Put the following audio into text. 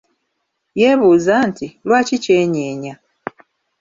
Yeebuuza nti: Lwaki kyenyeenya?